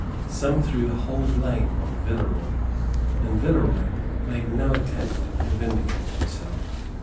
Some threw the whole blame on Villeroy; and Villeroy made no attempt to vindicate himself.